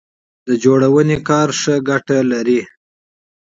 د ترمیم کاران ښه عاید لري